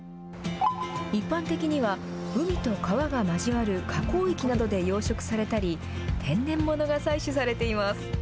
一般的には、海と川が交わる河口域などで養殖されたり、天然物が採取されています。